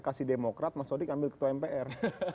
kasih demokrat mas sodik ambil ketua mpr